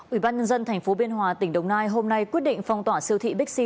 ủy ban nhân dân tp biên hòa tỉnh đồng nai hôm nay quyết định phong tỏa siêu thị bixi